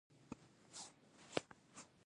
اوبزین معدنونه د افغانستان د ملي هویت نښه ده.